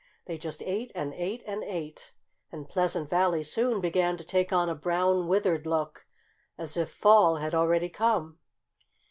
They just ate and ate and ate. And Pleasant Valley soon began to take on a brown, withered look, as if fall had already come.